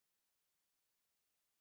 他怎么样？